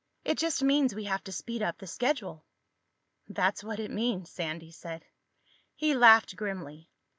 "It just means we have to speed up the schedule." "That's what it means," Sandy said. He laughed grimly.